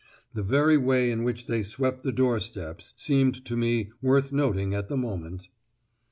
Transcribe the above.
The very way in which they swept the doorsteps seemed to me worth noting at the moment.